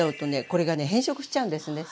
これがね変色しちゃうんですね